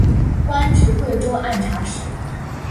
官至贵州按察使。